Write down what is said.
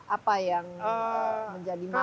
apa yang menjadi makna